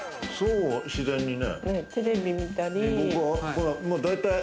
自然にね。